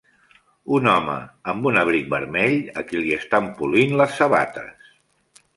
Un home amb un abric vermell a qui li estan polint les sabates.